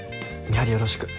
見張りよろしく。